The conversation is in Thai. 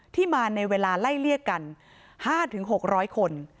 ที่มาในเวลาไล่เลี่ยกัน๕๖๐๐คน